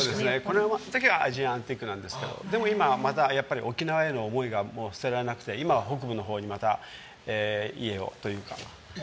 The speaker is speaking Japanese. これはアジアンティックなんですが沖縄への思いが捨てられなくて今は北部のほうに家をというか。